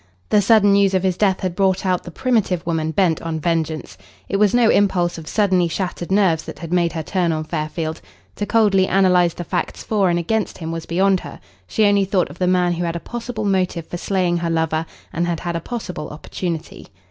The sudden news of his death had brought out the primitive woman bent on vengeance. It was no impulse of suddenly shattered nerves that had made her turn on Fairfield. To coldly analyse the facts for and against him was beyond her. She only thought of the man who had a possible motive for slaying her lover and had had a possible opportunity.